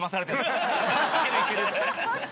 「いけるいける」って。